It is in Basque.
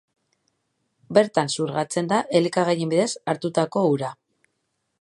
Bertan xurgatzen da elikagaien bidez hartutako ura.